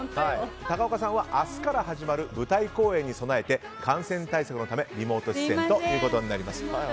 高岡さんは、明日から始まる舞台公演に備えて感染対策のためリモート出演となります。